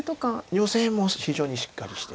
ヨセも非常にしっかりしている。